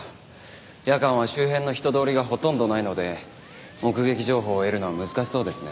夜間は周辺の人通りがほとんどないので目撃情報を得るのは難しそうですね。